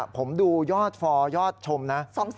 ผมดูยอดฟอร์ยอดชมนะ